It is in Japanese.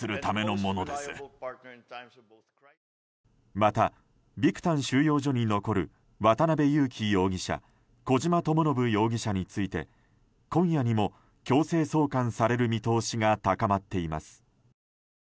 またビクタン収容所に残る渡邉優樹容疑者小島智信容疑者について今夜にも強制送還される見通しが高まっています。